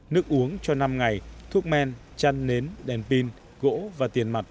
nước uống cho năm ngày thuốc men chăn nến đèn pin gỗ và tiền mặt